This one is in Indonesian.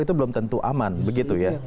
itu belum tentu aman begitu ya